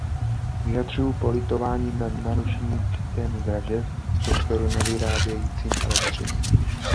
Vyjadřuji politování nad narušením systému dražeb v sektou nevyrábějícím elektřinu.